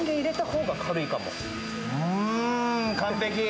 うーん、完璧。